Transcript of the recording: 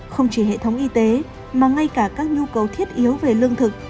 không chỉ hệ thống y tế mà ngay cả các nhu cầu thiết yếu về lương thực